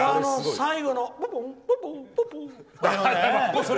最後の。